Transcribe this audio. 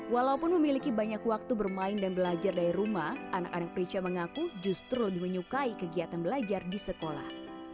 walaupun memiliki banyak waktu bermain dan belajar dari rumah anak anak price mengaku justru lebih menyukai kegiatan belajar di sekolah